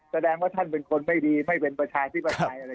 แสดงว่าท่านเป็นคนไม่ดีไม่เป็นประชาธิปไตยอะไร